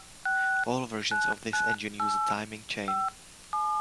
All versions of this engine use a timing chain.